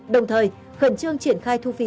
đồng thời khẩn trương triển khai thu phí